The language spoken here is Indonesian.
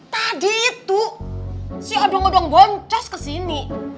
tadi itu si odong odong boncas kesini